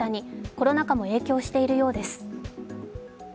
コロナ禍も影響しているようです。